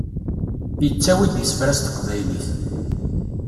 Yettawi-d isefra s teqbaylit.